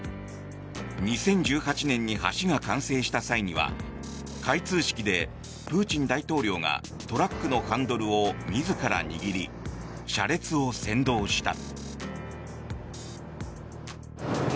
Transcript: ２０１８年に橋が完成した際には開通式でプーチン大統領がトラックのハンドルを自ら握り車列を先導した。